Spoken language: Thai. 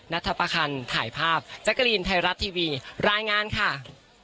นัทประคันถ่ายภาพแจ๊กกะรีนไทยรัฐทีวีรายงานค่ะ